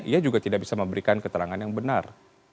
ia juga tidak bisa memberikan keterangan yang benar